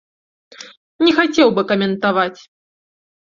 Не хацеў бы каментаваць.